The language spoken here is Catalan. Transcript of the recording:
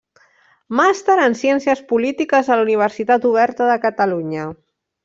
Màster en Ciències Polítiques a la Universitat Oberta de Catalunya.